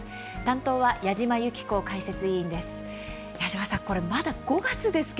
担当は矢島ゆき子解説委員です。